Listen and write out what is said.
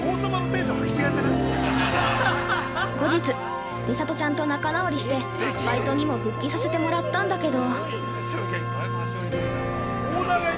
◆後日、ミサトちゃんと仲直りしてバイトにも復帰させてもらったんだけど。